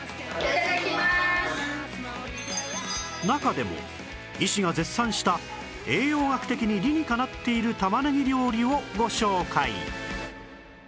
中でも医師が絶賛した栄養学的に理にかなっている玉ねぎ料理をご紹介